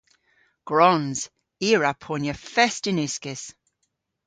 Gwrons. I a wra ponya fest yn uskis.